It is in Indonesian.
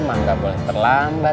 mak gak boleh terlambat